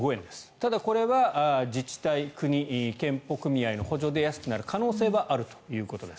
ただ、これは自治体、国、健保組合の補助で安くなる可能性はあるということです。